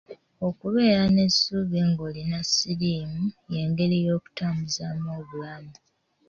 Okubeera n’essuubi ng’olina siriimu y’engeri y’okutambuzaamu obulamu.